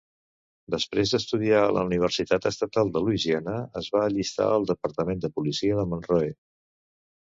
Després d'estudiar a la Universitat Estatal de Louisiana es va allistar al departament de policia de Monroe.